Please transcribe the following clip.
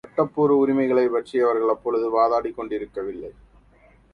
சட்டபூர்வமான உரிமைகளைப்பற்றி அவர்கள் அப்பொழுது வாதாடிக்கொண்டிருக்க வில்லை.